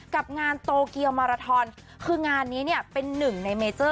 กับงานโตเกียวมาราทอนคืองานนี้เนี่ยเป็นหนึ่งในเมเจอร์